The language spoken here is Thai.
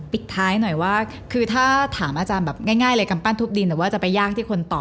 ปิดท้ายหน่อยคือถ้าถามอาจารย์ง่ายเลยแต่จะไปยากที่คนต่อ